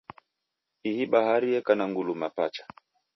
Ihi bahari yeka na nguluma pacha.